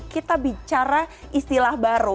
kita bicara istilah baru